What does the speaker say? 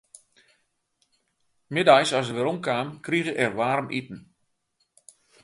Middeis as er werom kaam, krige er waarmiten.